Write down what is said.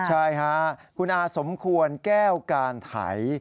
ใช่ค่ะคุณอาสมควรแก้วการไถ